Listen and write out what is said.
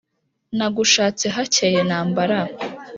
Nagushatse hakeye ntambara